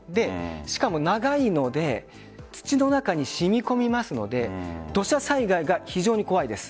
しかも長いので土の中に染み込みますので土砂災害が非常に怖いです。